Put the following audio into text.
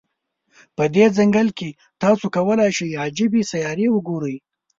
په دې ځنګل کې، تاسو کولای شی عجيبې سیارې وګوری.